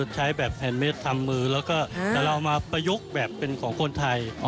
ใช้แบบแผ่นเม็ดทำมือแล้วเรามาประยุกต์แบบเป็นของคนไทย